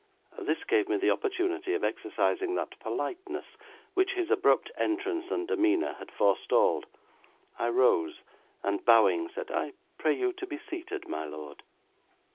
This gave me the opportunity of exercising that politeness which his abrupt entrance and demeanour had forestalled. I rose, and bowing, said, 'I pray you to be seated, my lord.'